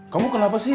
kamu kenapa sih